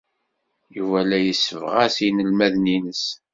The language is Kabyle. Yuba la yessebɣas inelmaden-nnes.